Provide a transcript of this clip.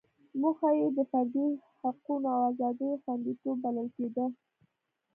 موخه یې د فردي حقوقو او ازادیو خوندیتوب بلل کېده.